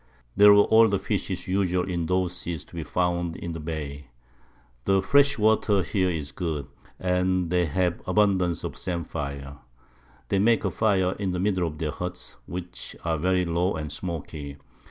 There were all the Fishes usual in those Seas to be found in the Bay. The fresh Water here is good, and they have abundance of Samphire. They make a Fire in the middle of their Huts, which are very low and smoaky.